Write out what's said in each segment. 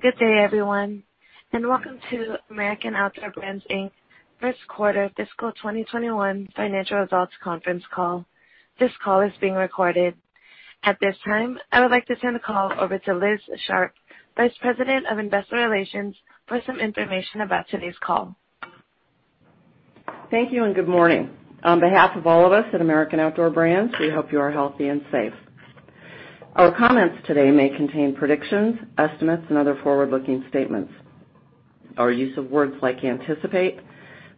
Good day, everyone, and welcome to American Outdoor Brands, Inc. First Quarter Fiscal 2021 Financial Results Conference Call. This call is being recorded. At this time, I would like to turn the call over to Liz Sharp, Vice President of Investor Relations, for some information about today's call. Thank you, and good morning. On behalf of all of us at American Outdoor Brands, we hope you are healthy and safe. Our comments today may contain predictions, estimates, and other forward-looking statements. Our use of words like anticipate,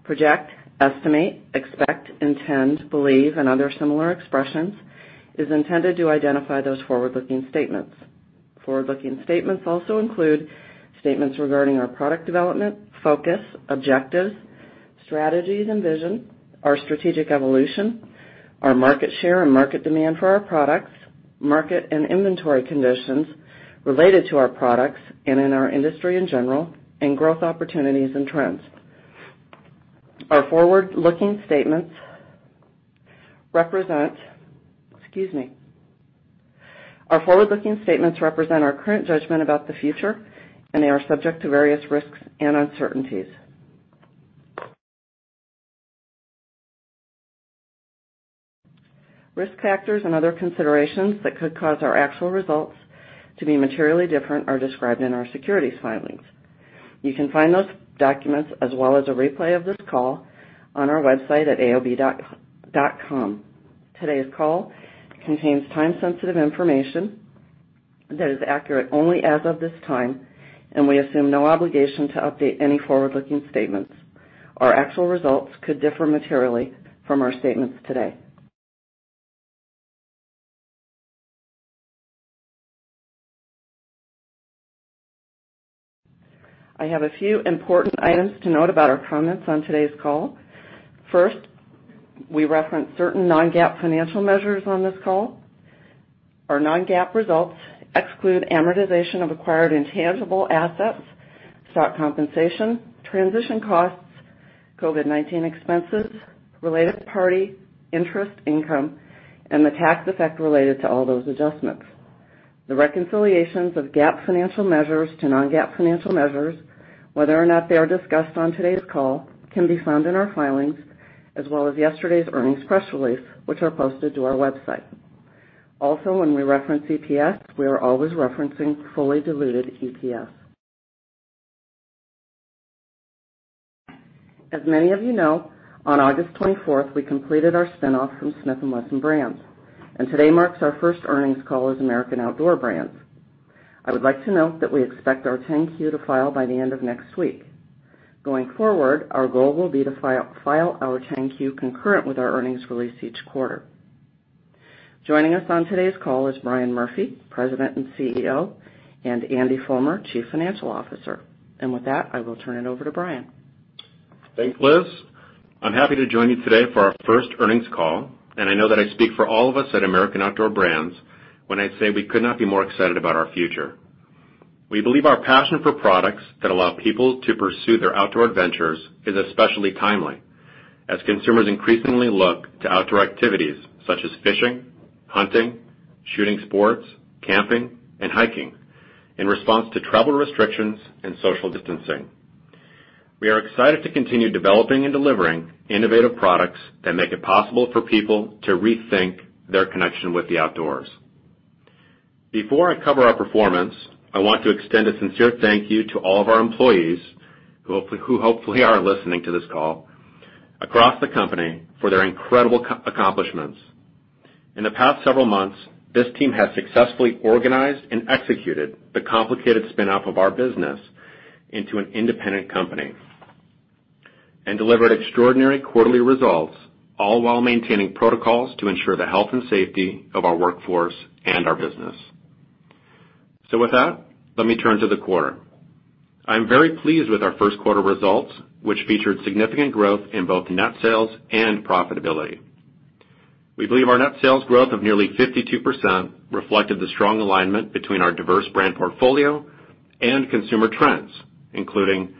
project, estimate, expect, intend, believe, and other similar expressions is intended to identify those forward-looking statements. Forward-looking statements also include statements regarding our product development, focus, objectives, strategies and vision, our strategic evolution, our market share and market demand for our products, market and inventory conditions related to our products and in our industry in general, and growth opportunities and trends. Our forward-looking statements represent our current judgment about the future, and they are subject to various risks and uncertainties. Risk factors and other considerations that could cause our actual results to be materially different are described in our securities filings. You can find those documents, as well as a replay of this call, on our website at aob.com. Today's call contains time-sensitive information that is accurate only as of this time, and we assume no obligation to update any forward-looking statements. Our actual results could differ materially from our statements today. I have a few important items to note about our comments on today's call. First, we reference certain non-GAAP financial measures on this call. Our non-GAAP results exclude amortization of acquired intangible assets, stock compensation, transition costs, COVID-19 expenses, related party interest income, and the tax effect related to all those adjustments. The reconciliations of GAAP financial measures to non-GAAP financial measures, whether or not they are discussed on today's call, can be found in our filings, as well as yesterday's earnings press release, which are posted to our website. When we reference EPS, we are always referencing fully diluted EPS. As many of you know, on August 24th, we completed our spin-off from Smith & Wesson Brands, and today marks our first earnings call as American Outdoor Brands. I would like to note that we expect our 10-Q to file by the end of next week. Going forward, our goal will be to file our 10-Q concurrent with our earnings release each quarter. Joining us on today's call is Brian Murphy, President and CEO, and Andrew Fulmer, Chief Financial Officer. With that, I will turn it over to Brian. Thanks, Liz. I'm happy to join you today for our first earnings call. I know that I speak for all of us at American Outdoor Brands when I say we could not be more excited about our future. We believe our passion for products that allow people to pursue their outdoor adventures is especially timely as consumers increasingly look to outdoor activities such as fishing, hunting, shooting sports, camping, and hiking in response to travel restrictions and social distancing. We are excited to continue developing and delivering innovative products that make it possible for people to rethink their connection with the outdoors. Before I cover our performance, I want to extend a sincere thank you to all of our employees, who hopefully are listening to this call, across the company for their incredible accomplishments. In the past several months, this team has successfully organized and executed the complicated spin-off of our business into an independent company and delivered extraordinary quarterly results, all while maintaining protocols to ensure the health and safety of our workforce and our business. With that, let me turn to the quarter. I'm very pleased with our first quarter results, which featured significant growth in both net sales and profitability. We believe our net sales growth of nearly 52% reflected the strong alignment between our diverse brand portfolio and consumer trends, including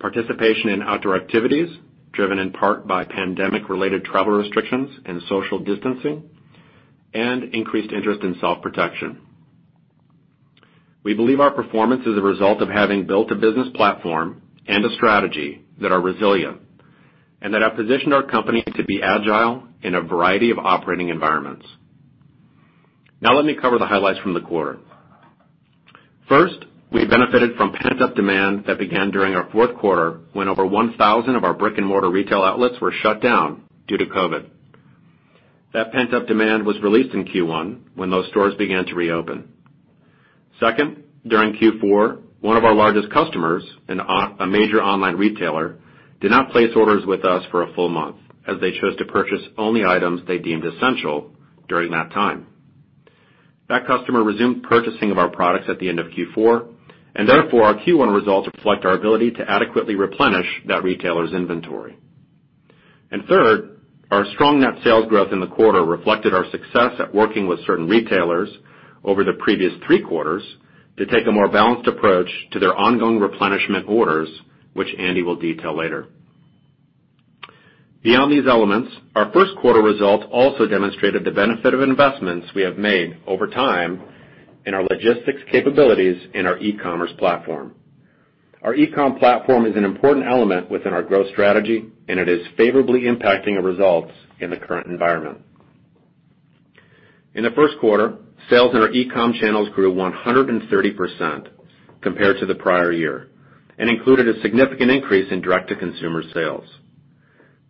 participation in outdoor activities, driven in part by pandemic-related travel restrictions and social distancing, and increased interest in self-protection. We believe our performance is a result of having built a business platform and a strategy that are resilient and that have positioned our company to be agile in a variety of operating environments. Let me cover the highlights from the quarter. First, we benefited from pent-up demand that began during our fourth quarter, when over 1,000 of our brick-and-mortar retail outlets were shut down due to COVID. That pent-up demand was released in Q1 when those stores began to reopen. Second, during Q4, one of our largest customers, a major online retailer, did not place orders with us for a full month, as they chose to purchase only items they deemed essential during that time. That customer resumed purchasing of our products at the end of Q4, therefore our Q1 results reflect our ability to adequately replenish that retailer's inventory. Third, our strong net sales growth in the quarter reflected our success at working with certain retailers over the previous three quarters to take a more balanced approach to their ongoing replenishment orders, which Andrew will detail later. Beyond these elements, our first quarter results also demonstrated the benefit of investments we have made over time in our logistics capabilities in our e-commerce platform. Our e-com platform is an important element within our growth strategy, and it is favorably impacting our results in the current environment. In the first quarter, sales in our e-com channels grew 130% compared to the prior year and included a significant increase in direct-to-consumer sales.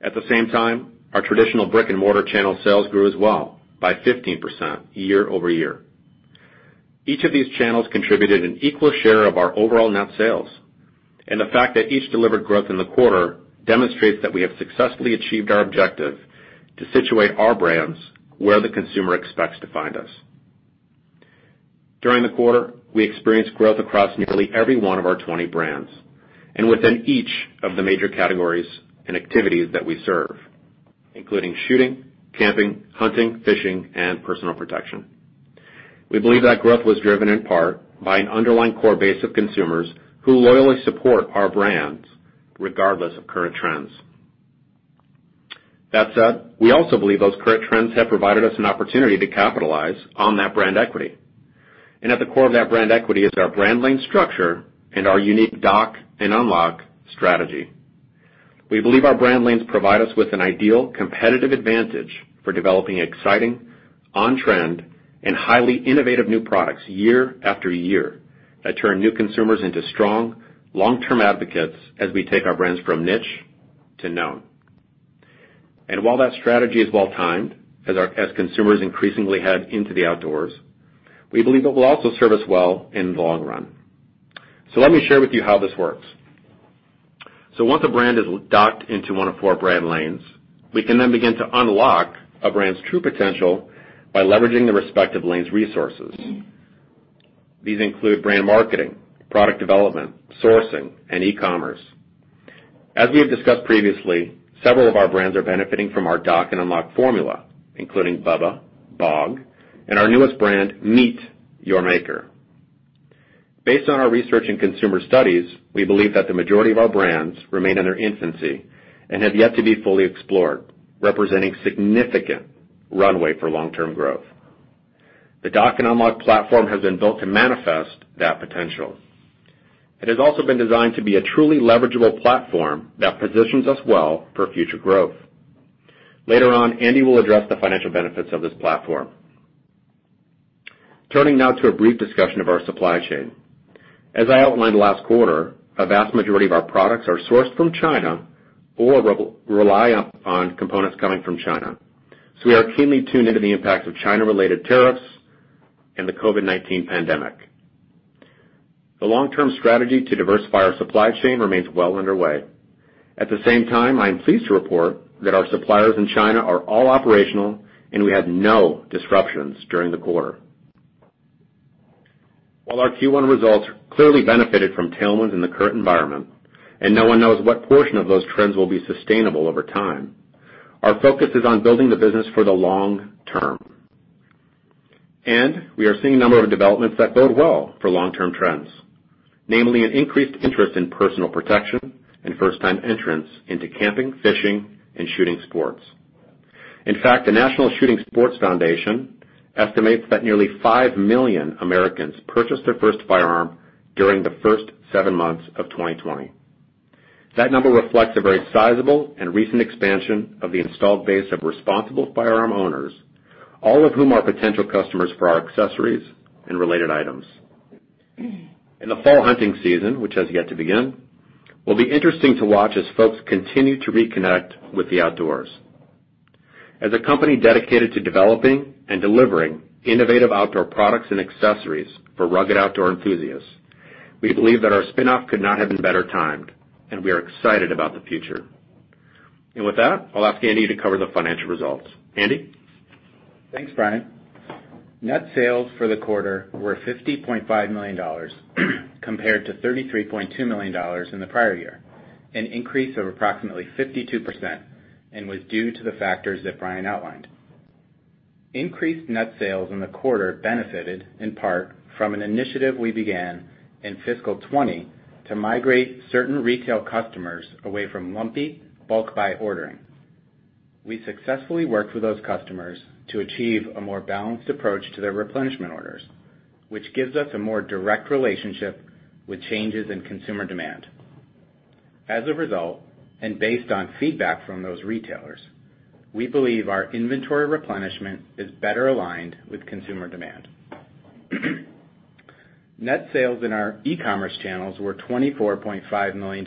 At the same time, our traditional brick-and-mortar channel sales grew as well by 15% year-over-year. Each of these channels contributed an equal share of our overall net sales, and the fact that each delivered growth in the quarter demonstrates that we have successfully achieved our objective to situate our brands where the consumer expects to find us. During the quarter, we experienced growth across nearly every one of our 20 brands and within each of the major categories and activities that we serve, including shooting, camping, hunting, fishing, and personal protection. We believe that growth was driven in part by an underlying core base of consumers who loyally support our brands regardless of current trends. That said, we also believe those current trends have provided us an opportunity to capitalize on that brand equity. At the core of that brand equity is our brand lane structure and our unique Dock and Unlock strategy. We believe our brand lanes provide us with an ideal competitive advantage for developing exciting, on-trend, and highly innovative new products year after year that turn new consumers into strong, long-term advocates as we take our brands from niche to known. While that strategy is well-timed as consumers increasingly head into the outdoors, we believe it will also serve us well in the long run. Let me share with you how this works. Once a brand is docked into one of four brand lanes, we can then begin to unlock a brand's true potential by leveraging the respective lane's resources. These include brand marketing, product development, sourcing, and e-commerce. As we have discussed previously, several of our brands are benefiting from our dock and unlock formula, including BUBBA, BOG, and our newest brand, MEAT! Your Maker. Based on our research and consumer studies, we believe that the majority of our brands remain in their infancy and have yet to be fully explored, representing significant runway for long-term growth. The dock and unlock platform has been built to manifest that potential. It has also been designed to be a truly leverageable platform that positions us well for future growth. Later on, Andrew will address the financial benefits of this platform. Turning now to a brief discussion of our supply chain. As I outlined last quarter, a vast majority of our products are sourced from China or rely upon components coming from China. We are keenly tuned into the impacts of China-related tariffs and the COVID-19 pandemic. The long-term strategy to diversify our supply chain remains well underway. At the same time, I am pleased to report that our suppliers in China are all operational, and we had no disruptions during the quarter. While our Q1 results clearly benefited from tailwinds in the current environment, and no one knows what portion of those trends will be sustainable over time, our focus is on building the business for the long term. We are seeing a number of developments that bode well for long-term trends, namely an increased interest in personal protection and first-time entrants into camping, fishing, and shooting sports. In fact, the National Shooting Sports Foundation estimates that nearly 5 million Americans purchased their first firearm during the first seven months of 2020. That number reflects a very sizable and recent expansion of the installed base of responsible firearm owners, all of whom are potential customers for our accessories and related items. And the fall hunting season, which has yet to begin, will be interesting to watch as folks continue to reconnect with the outdoors. As a company dedicated to developing and delivering innovative outdoor products and accessories for rugged outdoor enthusiasts, we believe that our spinoff could not have been better timed, and we are excited about the future. With that, I'll ask Andrew to cover the financial results. Andrew? Thanks, Brian. Net sales for the quarter were $50.5 million compared to $33.2 million in the prior year, an increase of approximately 52% and was due to the factors that Brian outlined. Increased net sales in the quarter benefited in part from an initiative we began in fiscal 2020 to migrate certain retail customers away from lumpy, bulk buy ordering. We successfully worked with those customers to achieve a more balanced approach to their replenishment orders, which gives us a more direct relationship with changes in consumer demand. As a result, and based on feedback from those retailers, we believe our inventory replenishment is better aligned with consumer demand. Net sales in our e-commerce channels were $24.5 million,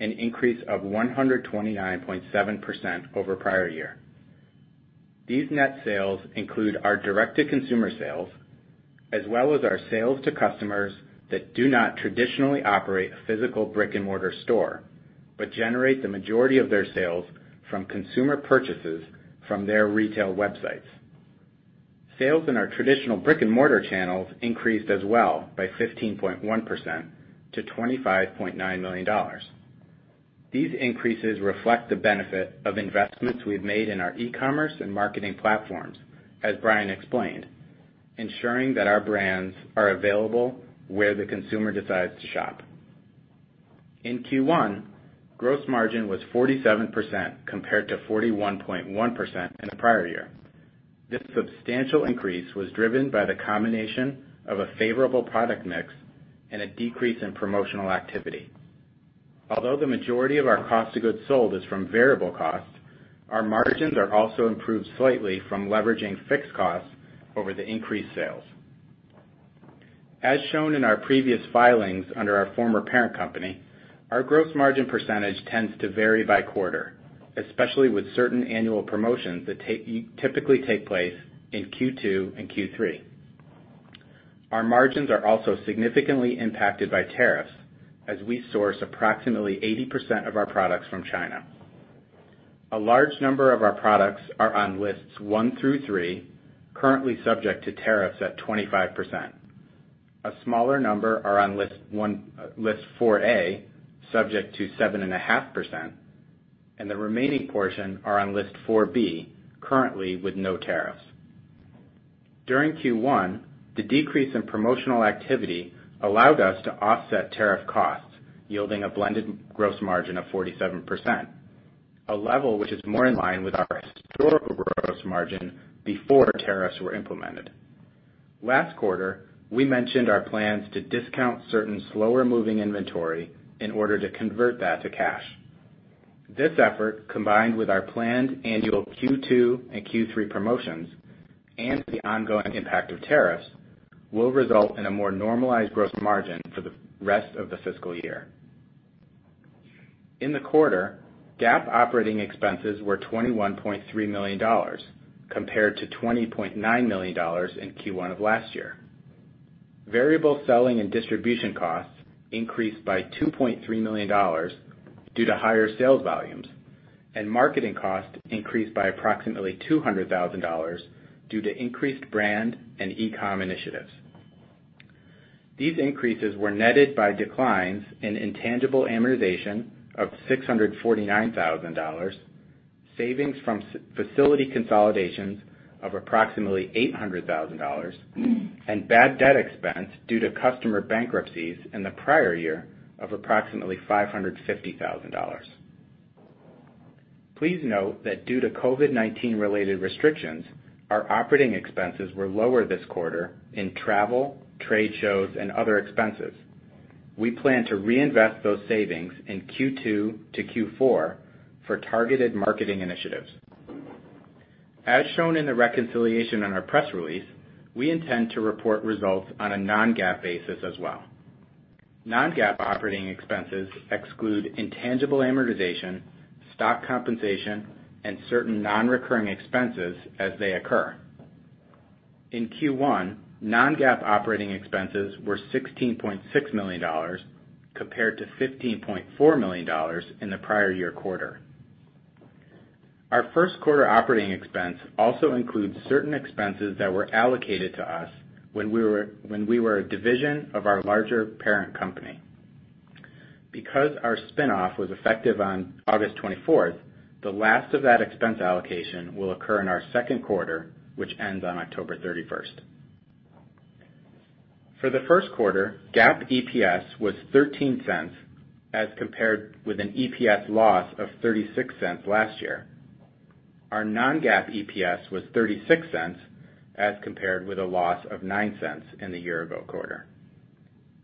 an increase of 129.7% over prior year. These net sales include our direct-to-consumer sales, as well as our sales to customers that do not traditionally operate a physical brick-and-mortar store, but generate the majority of their sales from consumer purchases from their retail websites. Sales in our traditional brick-and-mortar channels increased as well by 15.1% to $25.9 million. These increases reflect the benefit of investments we've made in our e-commerce and marketing platforms, as Brian explained. Ensuring that our brands are available where the consumer decides to shop. In Q1, gross margin was 47% compared to 41.1% in the prior year. This substantial increase was driven by the combination of a favorable product mix and a decrease in promotional activity. Although the majority of our cost of goods sold is from variable costs, our margins are also improved slightly from leveraging fixed costs over the increased sales. As shown in our previous filings under our former parent company, our gross margin percentage tends to vary by quarter, especially with certain annual promotions that typically take place in Q2 and Q3. Our margins are also significantly impacted by tariffs as we source approximately 80% of our products from China. A large number of our products are on Lists 1 through 3, currently subject to tariffs at 25%. A smaller number are on List 4A, subject to 7.5%, and the remaining portion are on List 4B, currently with no tariffs. During Q1, the decrease in promotional activity allowed us to offset tariff costs, yielding a blended gross margin of 47%, a level which is more in line with our historical gross margin before tariffs were implemented. Last quarter, we mentioned our plans to discount certain slower-moving inventory in order to convert that to cash. This effort, combined with our planned annual Q2 and Q3 promotions and the ongoing impact of tariffs, will result in a more normalized gross margin for the rest of the fiscal year. In the quarter, GAAP operating expenses were $21.3 million, compared to $20.9 million in Q1 of last year. Variable selling and distribution costs increased by $2.3 million due to higher sales volumes, and marketing costs increased by approximately $200,000 due to increased brand and e-com initiatives. These increases were netted by declines in intangible amortization of $649,000, savings from facility consolidations of approximately $800,000, and bad debt expense due to customer bankruptcies in the prior year of approximately $550,000. Please note that due to COVID-19 related restrictions, our operating expenses were lower this quarter in travel, trade shows, and other expenses. We plan to reinvest those savings in Q2 to Q4 for targeted marketing initiatives. As shown in the reconciliation in our press release, we intend to report results on a non-GAAP basis as well. Non-GAAP operating expenses exclude intangible amortization, stock compensation, and certain non-recurring expenses as they occur. In Q1, non-GAAP operating expenses were $16.6 million compared to $15.4 million in the prior year quarter. Our first quarter operating expense also includes certain expenses that were allocated to us when we were a division of our larger parent company. Because our spinoff was effective on August 24th, the last of that expense allocation will occur in our second quarter, which ends on October 31st. For the first quarter, GAAP EPS was $0.13 as compared with an EPS loss of $0.36 last year. Our non-GAAP EPS was $0.36 as compared with a loss of $0.09 in the year-ago quarter.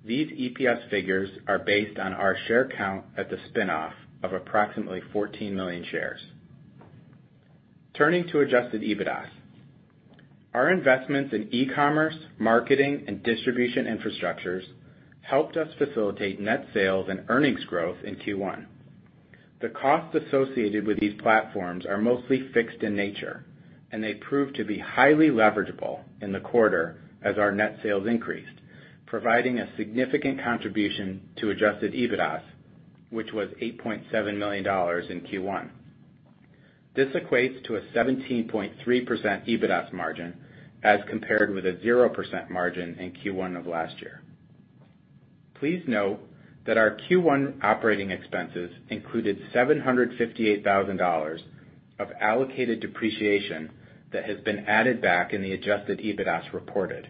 These EPS figures are based on our share count at the spinoff of approximately 14 million shares. Turning to adjusted EBITDA. Our investments in e-commerce, marketing, and distribution infrastructures helped us facilitate net sales and earnings growth in Q1. The costs associated with these platforms are mostly fixed in nature, and they proved to be highly leverageable in the quarter as our net sales increased, providing a significant contribution to adjusted EBITDA, which was $8.7 million in Q1. This equates to a 17.3% EBITDA margin, as compared with a 0% margin in Q1 of last year. Please note that our Q1 operating expenses included $758,000 of allocated depreciation that has been added back in the adjusted EBITDA reported.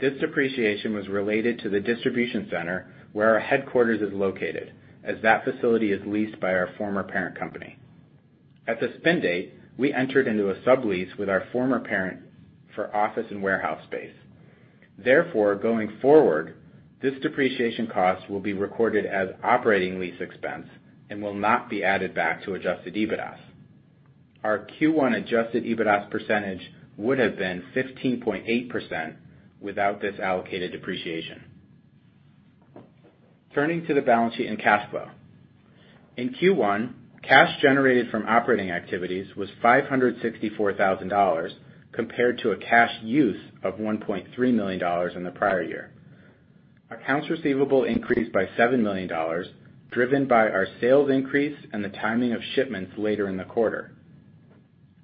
This depreciation was related to the distribution center where our headquarters is located, as that facility is leased by our former parent company. At the spin date, we entered into a sublease with our former parent for office and warehouse space. Going forward, this depreciation cost will be recorded as operating lease expense and will not be added back to adjusted EBITDA. Our Q1 adjusted EBITDA percentage would have been 15.8% without this allocated depreciation. Turning to the balance sheet and cash flow. In Q1, cash generated from operating activities was $564,000, compared to a cash use of $1.3 million in the prior year. Accounts receivable increased by $7 million, driven by our sales increase and the timing of shipments later in the quarter.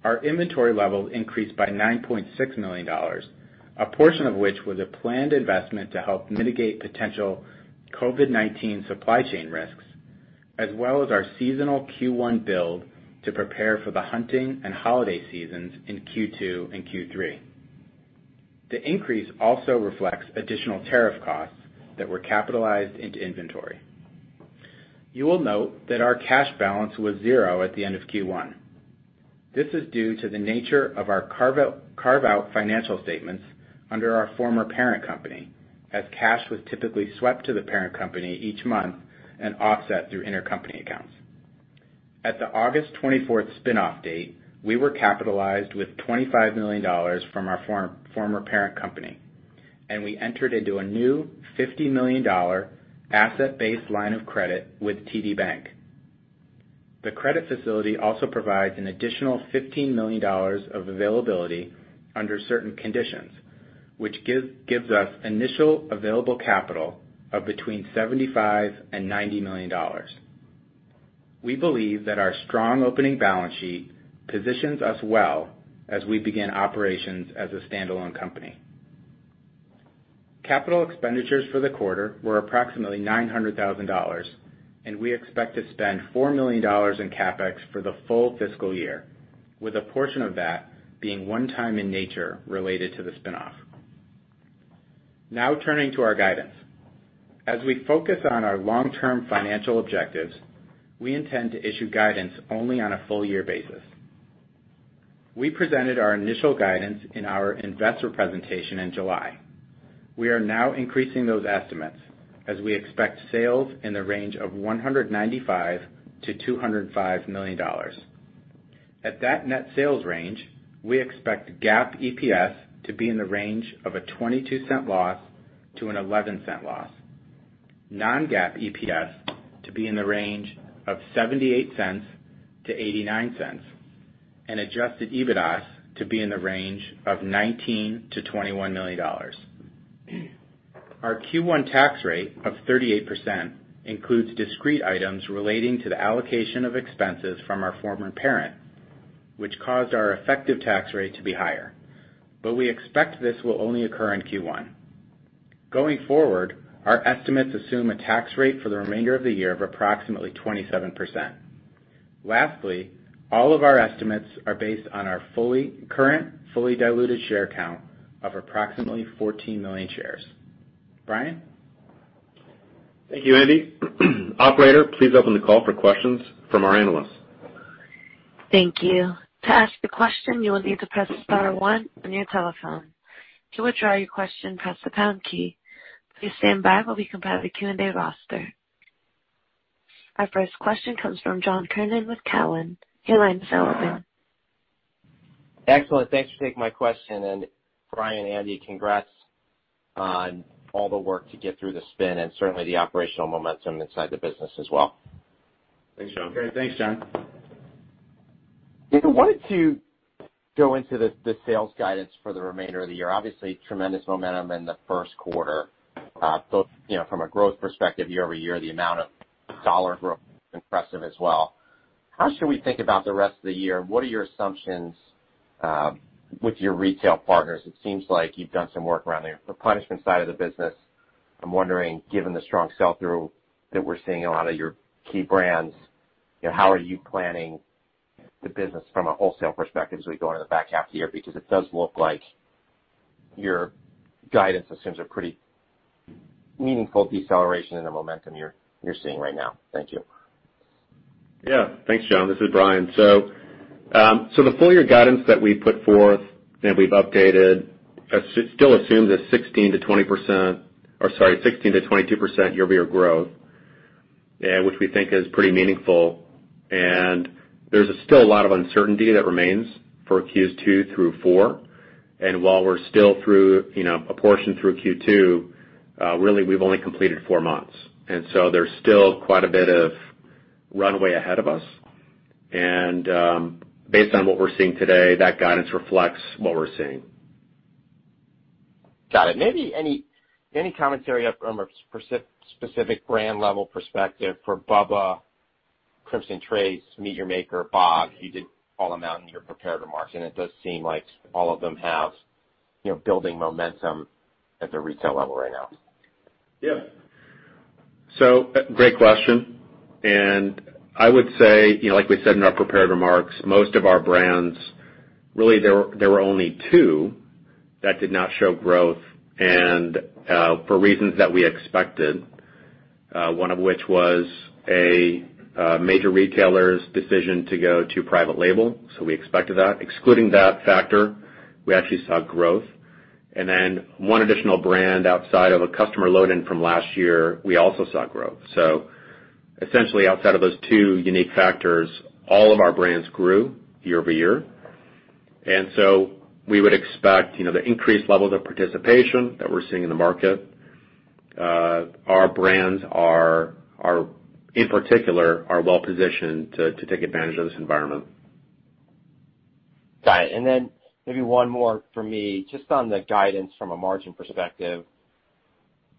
Our inventory level increased by $9.6 million, a portion of which was a planned investment to help mitigate potential COVID-19 supply chain risks. As well as our seasonal Q1 build to prepare for the hunting and holiday seasons in Q2 and Q3. The increase also reflects additional tariff costs that were capitalized into inventory. You will note that our cash balance was zero at the end of Q1. This is due to the nature of our carve-out financial statements under our former parent company, as cash was typically swept to the parent company each month and offset through intercompany accounts. At the August 24th spin-off date, we were capitalized with $25 million from our former parent company, and we entered into a new $50 million asset-based line of credit with TD Bank. The credit facility also provides an additional $15 million of availability under certain conditions, which gives us initial available capital of between $75 million and $90 million. We believe that our strong opening balance sheet positions us well as we begin operations as a standalone company. Capital expenditures for the quarter were approximately $900,000, and we expect to spend $4 million in CapEx for the full fiscal year, with a portion of that being one time in nature related to the spinoff. Turning to our guidance. As we focus on our long-term financial objectives, we intend to issue guidance only on a full year basis. We presented our initial guidance in our investor presentation in July. We are now increasing those estimates as we expect sales in the range of $195 million-$205 million. At that net sales range, we expect GAAP EPS to be in the range of a $0.22 loss to an $0.11 loss, non-GAAP EPS to be in the range of $0.78 to $0.89, and adjusted EBITDA to be in the range of $19 million-$21 million. Our Q1 tax rate of 38% includes discrete items relating to the allocation of expenses from our former parent, which caused our effective tax rate to be higher. We expect this will only occur in Q1. Going forward, our estimates assume a tax rate for the remainder of the year of approximately 27%. Lastly, all of our estimates are based on our current fully diluted share count of approximately 14 million shares. Brian. Thank you, Andrew. Operator, please open the call for questions from our analysts. Thank you. To ask the question, you will need to press star one on your telephone. To withdraw your question, press the pound key. Our first question comes from John Kernan with Cowen. Your line is now open. Excellent. Thanks for taking my question, and Brian, Andrew, congrats on all the work to get through the spin and certainly the operational momentum inside the business as well. Thanks, John. Great. Thanks, John. I wanted to go into the sales guidance for the remainder of the year. Obviously, tremendous momentum in the first quarter. Both from a growth perspective, year-over-year, the amount of dollar growth impressive as well. How should we think about the rest of the year? What are your assumptions with your retail partners? It seems like you've done some work around the Harvester side of the business. I'm wondering, given the strong sell-through that we're seeing a lot of your key brands, how are you planning the business from a wholesale perspective as we go into the back half of the year? It does look like your guidance assumes a pretty meaningful deceleration in the momentum you're seeing right now. Thank you. Yeah. Thanks, John. This is Brian. The full year guidance that we put forth and we've updated, still assumes a 16%-22% year-over-year growth, which we think is pretty meaningful. There's still a lot of uncertainty that remains for Q2 through four. While we're still a portion through Q2, really we've only completed four months, there's still quite a bit of runway ahead of us. Based on what we're seeing today, that guidance reflects what we're seeing. Got it. Maybe any commentary from a specific brand level perspective for BUBBA, Crimson Trace, MEAT! Your Maker, BOG. You did call them out in your prepared remarks, and it does seem like all of them have building momentum at the retail level right now. Great question, I would say, like we said in our prepared remarks, most of our brands, really, there were only two that did not show growth, and for reasons that we expected, one of which was a major retailer's decision to go to private label. We expected that. Excluding that factor, we actually saw growth. One additional brand outside of a customer load-in from last year, we also saw growth. Essentially, outside of those two unique factors, all of our brands grew year-over-year. We would expect the increased levels of participation that we're seeing in the market, our brands are, in particular, are well positioned to take advantage of this environment. Got it. Then maybe one more for me, just on the guidance from a margin perspective.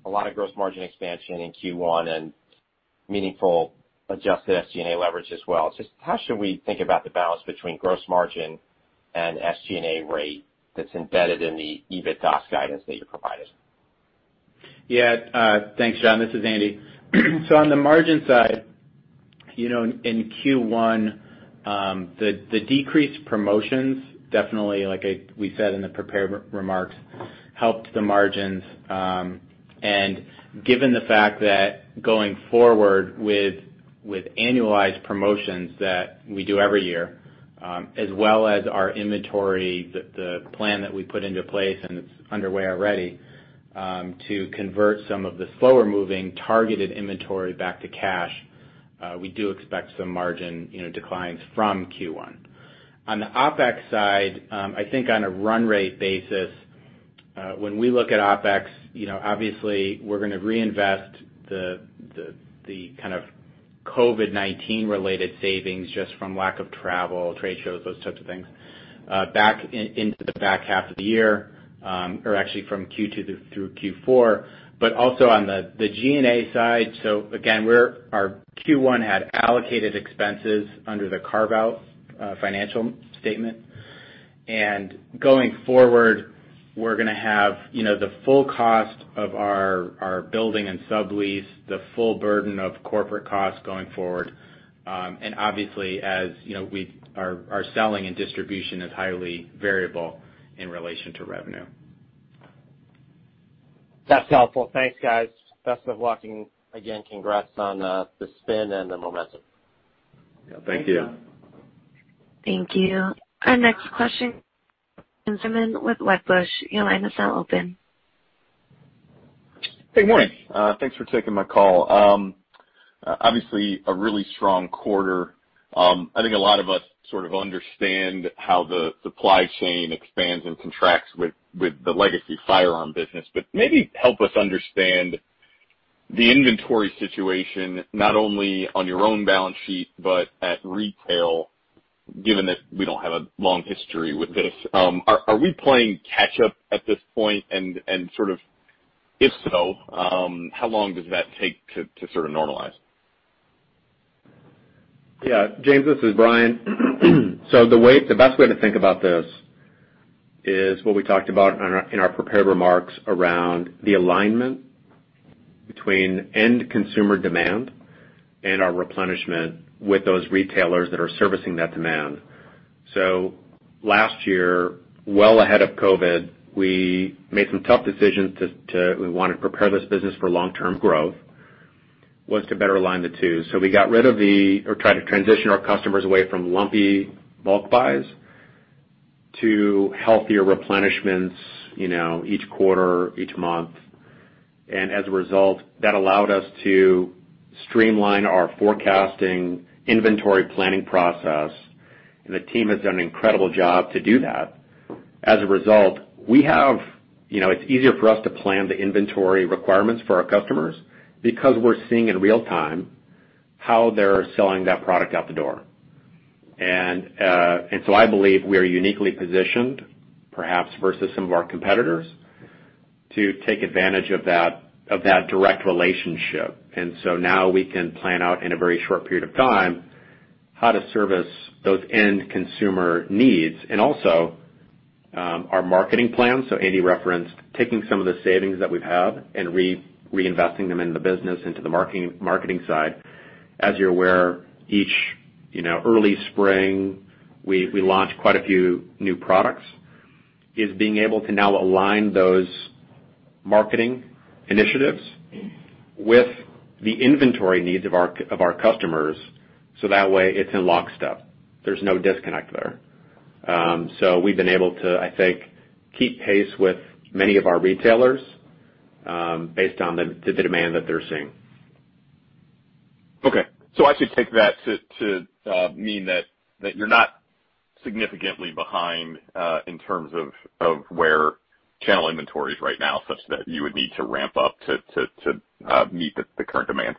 A lot of gross margin expansion in Q1 and meaningful adjusted SG&A leverage as well. Just how should we think about the balance between gross margin and SG&A rate that's embedded in the EBITDA guidance that you provided? Thanks, John. This is Andrew. On the margin side, in Q1, the decreased promotions definitely, like we said in the prepared remarks, helped the margins. Given the fact that going forward with annualized promotions that we do every year, as well as our inventory, the plan that we put into place, and it's underway already, to convert some of the slower-moving targeted inventory back to cash, we do expect some margin declines from Q1. On the OpEx side, I think on a run rate basis, when we look at OpEx, obviously we're going to reinvest the kind of COVID-19 related savings just from lack of travel, trade shows, those types of things, back into the back half of the year, or actually from Q2 through Q4. Also on the G&A side, again, our Q1 had allocated expenses under the carve-out financial statement. Going forward, we're going to have the full cost of our building and sublease, the full burden of corporate costs going forward, and obviously as our selling and distribution is highly variable in relation to revenue. That's helpful. Thanks, guys. Best of luck, and again, congrats on the spin and the momentum. Yeah. Thank you. Thanks, John. Thank you. Our next question comes from James Zimmerman with Wedbush. Your line is now open. Hey, morning. Thanks for taking my call. Obviously, a really strong quarter. I think a lot of us sort of understand how the supply chain expands and contracts with the legacy firearm business, but maybe help us understand the inventory situation, not only on your own balance sheet, but at retail, given that we don't have a long history with this. Are we playing catch up at this point and sort of, if so, how long does that take to sort of normalize? Yeah. James, this is Brian. The best way to think about this is what we talked about in our prepared remarks around the alignment between end consumer demand and our replenishment with those retailers that are servicing that demand. Last year, well ahead of COVID-19, we made some tough decisions. We wanted to prepare this business for long-term growth, was to better align the two. We tried to transition our customers away from lumpy bulk buys to healthier replenishments each quarter, each month. As a result, that allowed us to streamline our forecasting inventory planning process, and the team has done an incredible job to do that. As a result, it is easier for us to plan the inventory requirements for our customers because we are seeing in real-time how they are selling that product out the door. I believe we are uniquely positioned, perhaps versus some of our competitors, to take advantage of that direct relationship. Now we can plan out in a very short period of time how to service those end consumer needs and also our marketing plan. Andrew referenced taking some of the savings that we've had and reinvesting them in the business into the marketing side. As you're aware, each early spring, we launch quite a few new products, is being able to now align those marketing initiatives with the inventory needs of our customers, so that way it's in lockstep. There's no disconnect there. We've been able to, I think, keep pace with many of our retailers based on the demand that they're seeing. Okay. I should take that to mean that you're not significantly behind in terms of where channel inventory is right now, such that you would need to ramp up to meet the current demand?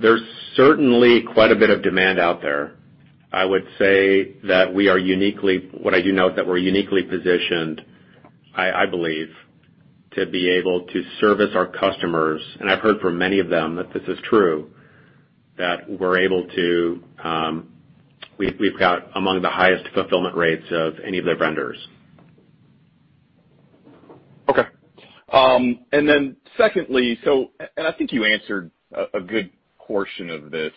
There's certainly quite a bit of demand out there. I would say that what I do know is that we're uniquely positioned, I believe, to be able to service our customers. I've heard from many of them that this is true, that We've got among the highest fulfillment rates of any of their vendors. Okay. Secondly, I think you answered a good portion of this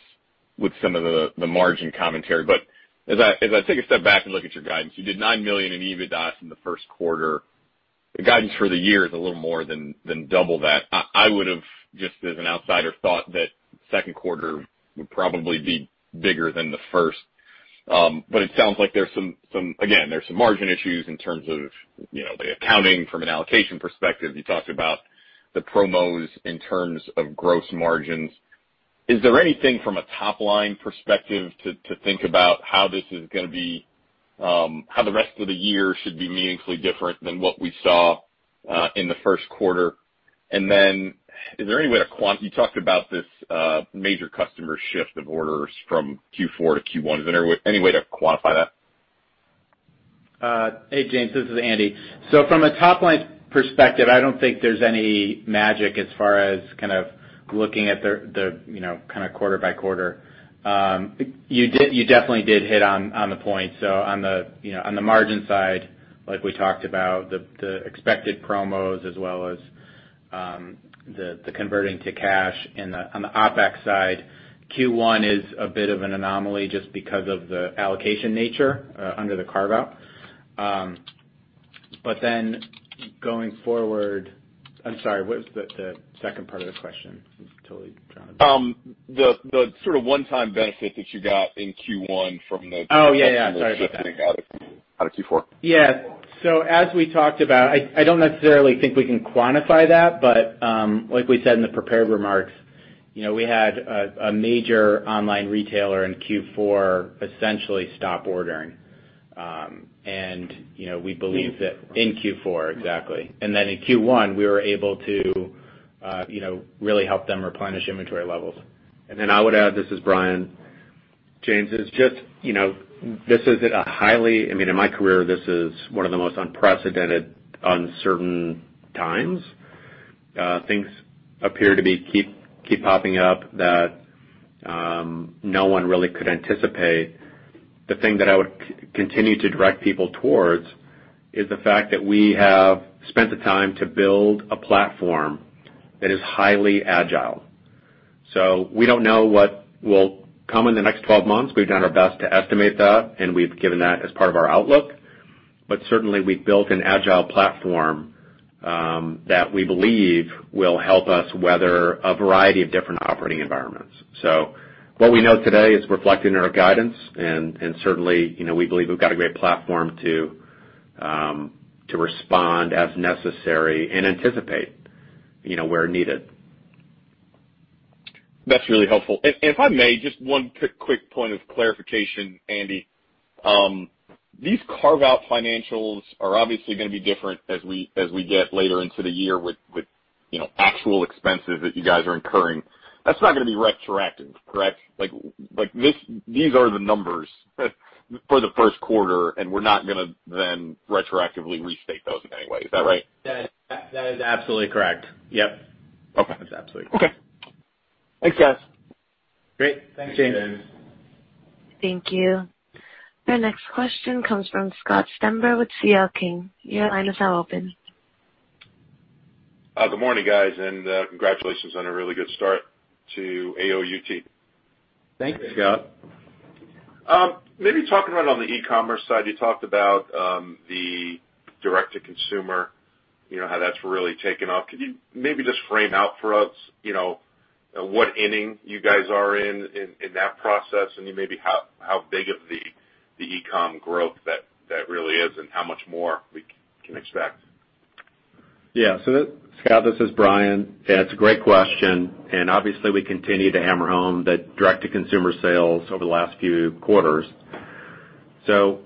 with some of the margin commentary, but as I take a step back and look at your guidance, you did $9 million in EBITDA in the first quarter. The guidance for the year is a little more than double that. I would have, just as an outsider, thought that second quarter would probably be bigger than the first. It sounds like, again, there's some margin issues in terms of the accounting from an allocation perspective. You talked about the promos in terms of gross margins. Is there anything from a top-line perspective to think about how the rest of the year should be meaningfully different than what we saw in the first quarter? You talked about this major customer shift of orders from Q4 to Q1. Is there any way to quantify that? Hey, James. This is Andrew. From a top-line perspective, I don't think there's any magic as far as kind of looking at the kind of quarter by quarter. You definitely did hit on the point. On the margin side, like we talked about the expected promos as well as the converting to cash on the OpEx side, Q1 is a bit of an anomaly just because of the allocation nature under the carve-out. Going forward, I'm sorry, what was the second part of the question? I'm totally drawing a blank. The sort of one-time benefit that you got in Q1 from the-. Oh, yeah. Sorry about that. shifting out of Q4. Yeah. As we talked about, I don't necessarily think we can quantify that, but like we said in the prepared remarks, we had a major online retailer in Q4 essentially stop ordering. We believe that in Q4, exactly. In Q1, we were able to really help them replenish inventory levels. I would add, this is Brian. James, in my career, this is one of the most unprecedented, uncertain times. Things appear to keep popping up that no one really could anticipate. The thing that I would continue to direct people towards is the fact that we have spent the time to build a platform that is highly agile. We don't know what will come in the next 12 months. We've done our best to estimate that, and we've given that as part of our outlook. Certainly, we've built an agile platform that we believe will help us weather a variety of different operating environments. What we know today is reflected in our guidance, and certainly, we believe we've got a great platform to respond as necessary and anticipate where needed. That's really helpful. If I may, just one quick point of clarification, Andrew. These carve-out financials are obviously going to be different as we get later into the year with actual expenses that you guys are incurring. That's not going to be retroactive, correct? These are the numbers for the first quarter, we're not going to then retroactively restate those in any way. Is that right? That is absolutely correct. Yep. Okay. That's absolutely correct. Okay. Thanks, guys. Great. Thanks, James. Thanks, James. Thank you. The next question comes from Scott Stember with CL King. Your line is now open. Good morning, guys, and congratulations on a really good start to AOUT. Thanks, Scott. Maybe talk around on the e-commerce side. You talked about the direct-to-consumer, how that's really taken off. Could you maybe just frame out for us what inning you guys are in that process, and maybe how big of the e-com growth that really is and how much more we can expect? Scott, this is Brian. It's a great question. Obviously, we continue to hammer home the direct-to-consumer sales over the last few quarters.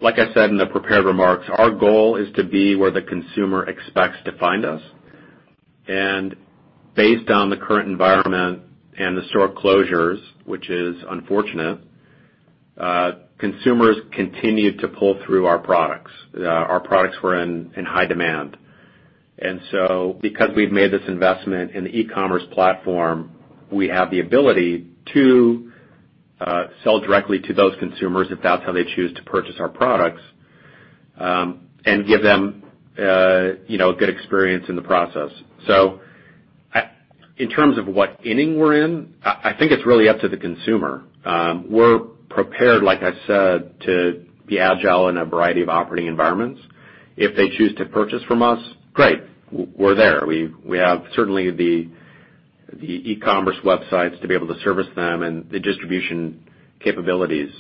Like I said in the prepared remarks, our goal is to be where the consumer expects to find us. Based on the current environment and the store closures, which is unfortunate, consumers continued to pull through our products. Our products were in high demand. Because we've made this investment in the e-commerce platform, we have the ability to sell directly to those consumers if that's how they choose to purchase our products and give them a good experience in the process. In terms of what inning we're in, I think it's really up to the consumer. We're prepared, like I said, to be agile in a variety of operating environments. If they choose to purchase from us, great. We're there. We have certainly the e-commerce websites to be able to service them and the distribution capabilities.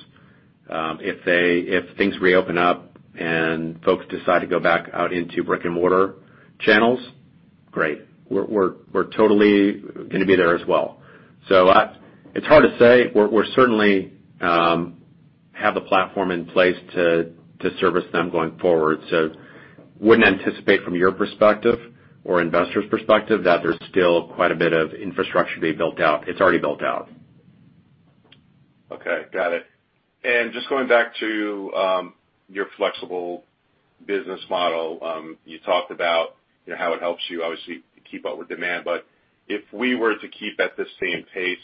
If things reopen up and folks decide to go back out into brick-and-mortar channels, great. We're totally going to be there as well. It's hard to say. We certainly have the platform in place to service them going forward. Wouldn't anticipate from your perspective or investors' perspective that there's still quite a bit of infrastructure to be built out. It's already built out. Okay. Got it. Just going back to your flexible business model. You talked about how it helps you, obviously, to keep up with demand. If we were to keep at the same pace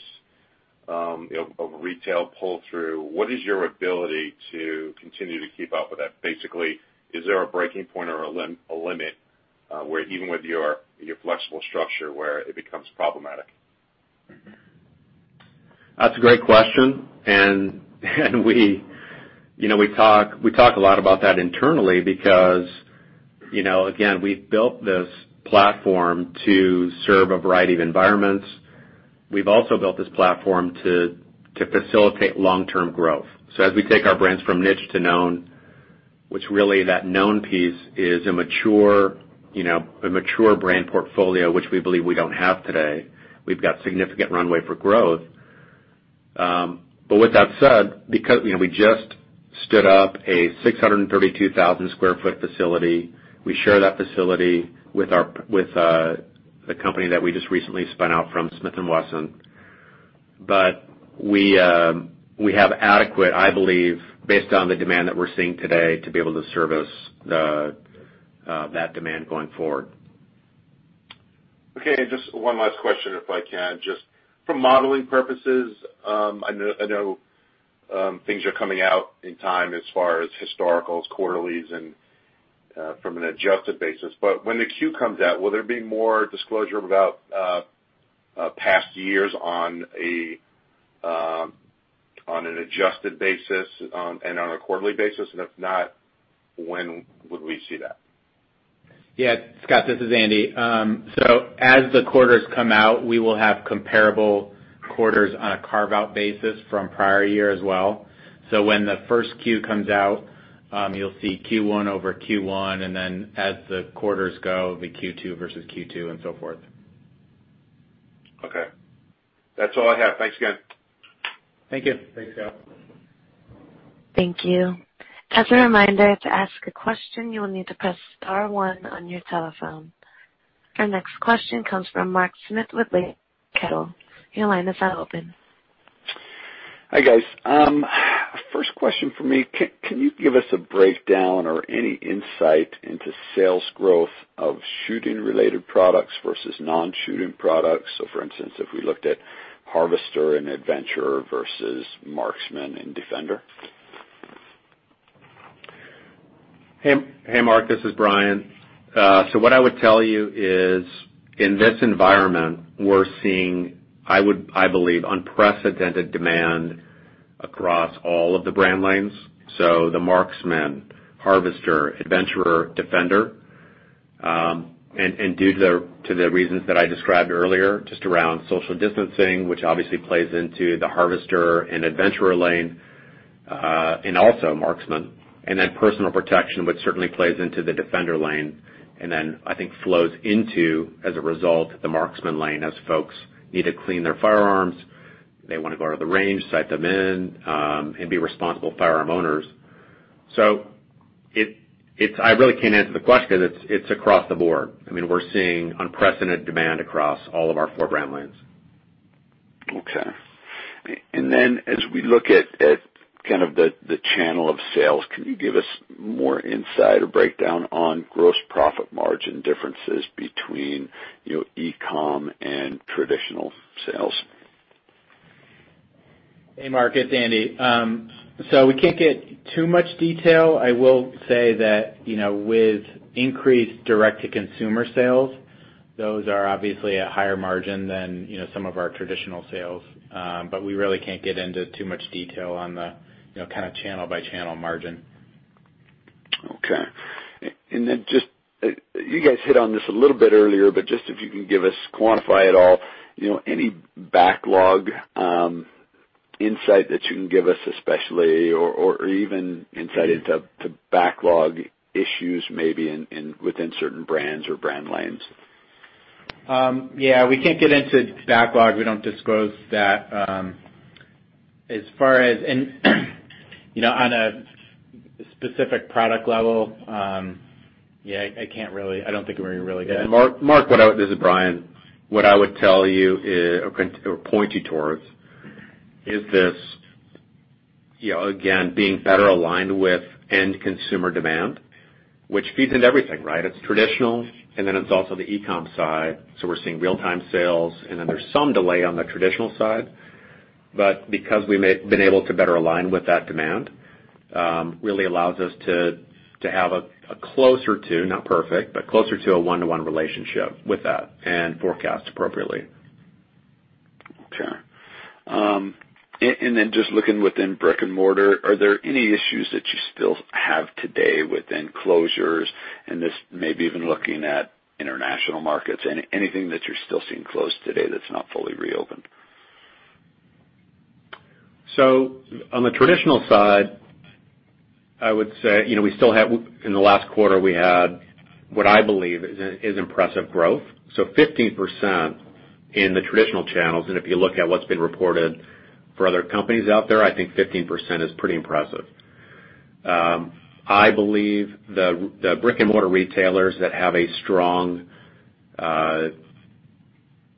of retail pull-through, what is your ability to continue to keep up with that? Is there a breaking point or a limit where even with your flexible structure, where it becomes problematic? That's a great question. We talk a lot about that internally because, again, we've built this platform to serve a variety of environments. We've also built this platform to facilitate long-term growth. As we take our brands from niche to known, which really that known piece is a mature brand portfolio, which we believe we don't have today. We've got significant runway for growth. With that said, we just stood up a 632,000 sq ft facility. We share that facility with the company that we just recently spun out from Smith & Wesson. We have adequate, I believe, based on the demand that we're seeing today, to be able to service that demand going forward. Okay. Just one last question if I can. Just for modeling purposes, I know things are coming out in time as far as historicals, quarterlies and from an adjusted basis. When the Q comes out, will there be more disclosure about past years on an adjusted basis and on a quarterly basis? If not, when would we see that? Yeah. Scott, this is Andrew. As the quarters come out, we will have comparable quarters on a carve-out basis from prior year as well. When the first Q comes out, you'll see Q1 over Q1, and then as the quarters go, it'll be Q2 versus Q2 and so forth. Okay. That's all I have. Thanks again. Thank you. Thanks, Scott. Thank you. As a reminder, to ask a question, you will need to press star one on your telephone. Our next question comes from Mark Smith with Lake Street. Your line is now open. Hi, guys. First question from me. Can you give us a breakdown or any insight into sales growth of shooting-related products versus non-shooting products? For instance, if we looked at Harvester and Adventurer versus Marksman and Defender. Hey, Mark, this is Brian. What I would tell you is, in this environment, we're seeing, I believe, unprecedented demand across all of the brand lanes. The Marksman, Harvester, Adventurer, Defender, due to the reasons that I described earlier, just around social distancing, which obviously plays into the Harvester and Adventurer lane, also Marksman, then personal protection, which certainly plays into the Defender lane, then I think flows into, as a result, the Marksman lane as folks need to clean their firearms, they want to go to the range, sight them in, and be responsible firearm owners. I really can't answer the question because it's across the board. We're seeing unprecedented demand across all of our four brand lanes. Okay. As we look at the channel of sales, can you give us more insight or breakdown on gross profit margin differences between e-com and traditional sales? Hey, Mark, it's Andrew. We can't get too much detail. I will say that with increased direct-to-consumer sales, those are obviously a higher margin than some of our traditional sales. We really can't get into too much detail on the kind of channel-by-channel margin. Okay. Just, you guys hit on this a little bit earlier, just if you can give us, quantify at all, any backlog insight that you can give us especially, or even insight into backlog issues maybe within certain brands or brand lanes? Yeah, we can't get into backlog. We don't disclose that. On a specific product level, yeah, I don't think we really can. Mark, this is Brian. What I would tell you or point you towards is this, again, being better aligned with end consumer demand, which feeds into everything, right? It's traditional, and then it's also the e-com side, so we're seeing real-time sales, and then there's some delay on the traditional side. Because we've been able to better align with that demand, really allows us to have a closer to, not perfect, but closer to a one-to-one relationship with that and forecast appropriately. Okay. Just looking within brick and mortar, are there any issues that you still have today within closures and this maybe even looking at international markets? Anything that you're still seeing closed today that's not fully reopened? On the traditional side, in the last quarter, we had what I believe is impressive growth. 15% in the traditional channels, and if you look at what's been reported for other companies out there, I think 15% is pretty impressive. I believe the brick-and-mortar retailers that have a strong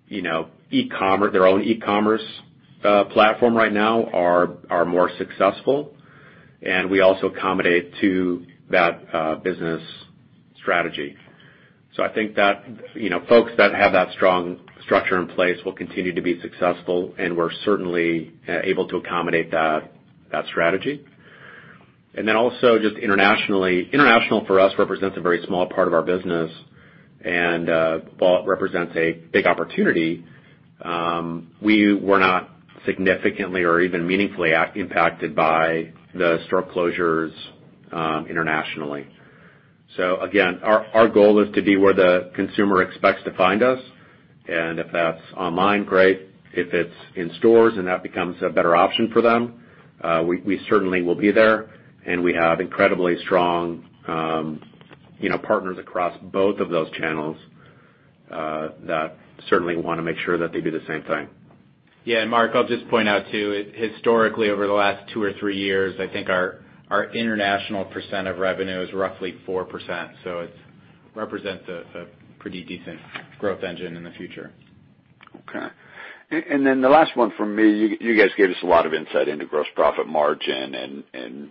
e-commerce, their own e-commerce platform right now are more successful, and we also accommodate to that business strategy. I think that folks that have that strong structure in place will continue to be successful, and we're certainly able to accommodate that strategy. Also just internationally. International for us represents a very small part of our business. While it represents a big opportunity, we were not significantly or even meaningfully impacted by the store closures internationally. Again, our goal is to be where the consumer expects to find us. If that's online, great. If it's in stores and that becomes a better option for them, we certainly will be there, and we have incredibly strong partners across both of those channels that certainly want to make sure that they do the same thing. Yeah. Mark, I'll just point out too, historically over the last two or three years, I think our international percent of revenue is roughly 4%, so it represents a pretty decent growth engine in the future. Okay. The last one from me, you guys gave us a lot of insight into gross profit margin and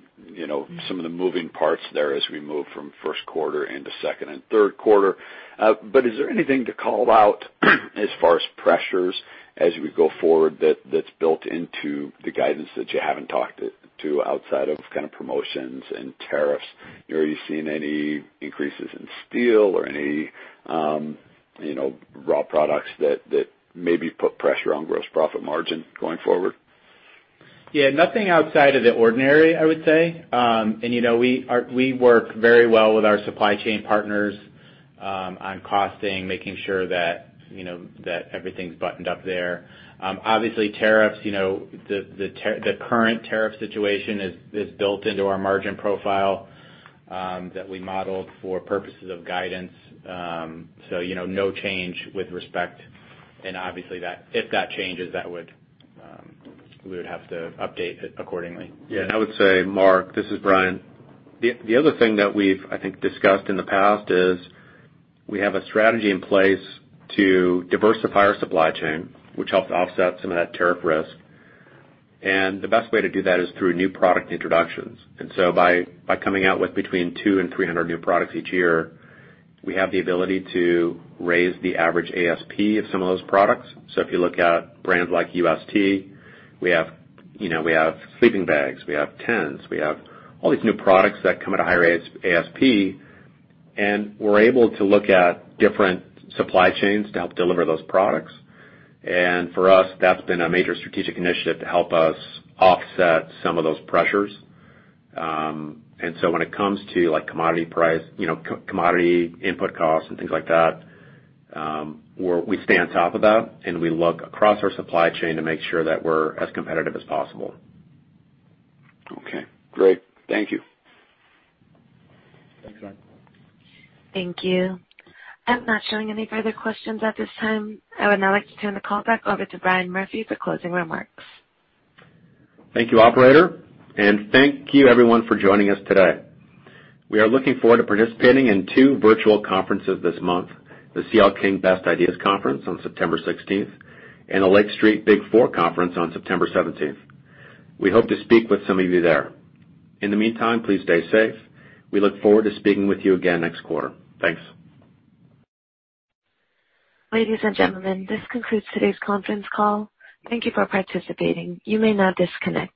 some of the moving parts there as we move from first quarter into second and third quarter. Is there anything to call out as far as pressures as we go forward that's built into the guidance that you haven't talked to outside of promotions and tariffs? Are you seeing any increases in steel or any raw products that maybe put pressure on gross profit margin going forward? Yeah. Nothing outside of the ordinary, I would say. We work very well with our supply chain partners on costing, making sure that everything's buttoned up there. Obviously tariffs, the current tariff situation is built into our margin profile that we modeled for purposes of guidance. No change with respect, and obviously, if that changes, we would have to update it accordingly. I would say, Mark, this is Brian. The other thing that we've, I think, discussed in the past is we have a strategy in place to diversify our supply chain, which helps offset some of that tariff risk. The best way to do that is through new product introductions. By coming out with between 2 and 300 new products each year, we have the ability to raise the average ASP of some of those products. If you look at brands like UST, we have sleeping bags, we have tents, we have all these new products that come at a higher ASP, and we're able to look at different supply chains to help deliver those products. For us, that's been a major strategic initiative to help us offset some of those pressures. When it comes to commodity input costs and things like that, we stay on top of that, and we look across our supply chain to make sure that we're as competitive as possible. Okay, great. Thank you. Thanks, Mark. Thank you. I'm not showing any further questions at this time. I would now like to turn the call back over to Brian Murphy for closing remarks. Thank you, operator, and thank you everyone for joining us today. We are looking forward to participating in two virtual conferences this month, the CL King Best Ideas Conference on September 16th and the Lake Street Best Ideas Growth Conference on September 17th. We hope to speak with some of you there. In the meantime, please stay safe. We look forward to speaking with you again next quarter. Thanks. Ladies and gentlemen, this concludes today's conference call. Thank you for participating. You may now disconnect.